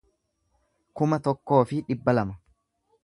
kuma tokkoo fi dhibba lama